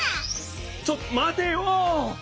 ちょっとまてよ！